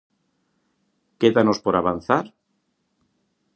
¿Quédanos por avanzar?